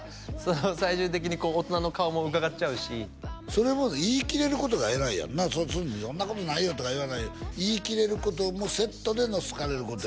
最終的にこう大人の顔もうかがっちゃうしそれを言い切れることが偉いやんなそんなことないよとか言わないで言い切れることもセットでの好かれることよ